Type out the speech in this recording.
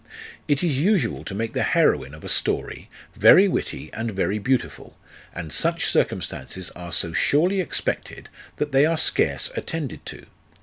It is usual to make the heroine of a story very witty and very beautiful, and such circumstances are so surely expected, that they are scarce attended to.